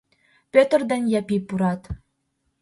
Пӧтыр ден Япи пурат.